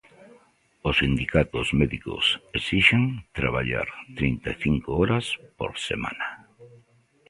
Os sindicatos médicos exixen traballar trinta e cinco horas por semana